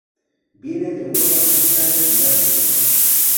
Vienen de Europa Central y Asia Menor.